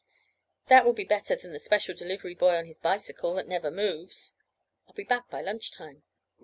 That will be better than the special delivery boy on his bicycle that never moves. I'll be back by lunch time."